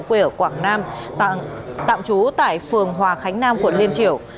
quê ở quảng nam tạm trú tại phường hòa khánh nam quận liên triểu